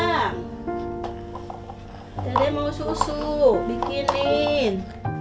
tidak ada yang mau susu bikinin